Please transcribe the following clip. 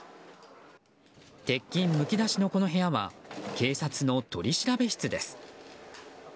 鉄筋むき出しのこの部屋は警察の取り調べ室です。